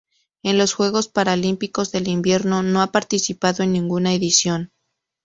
En los Juegos Paralímpicos de Invierno no ha participado en ninguna edición.